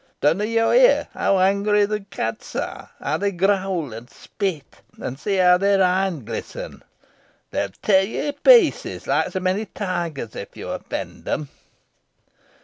Dunna yo hear how angry the cats are how they growl an spit? An see how their een gliss'n! They'll tare yo i' pieces, loike so many tigers, if yo offend em."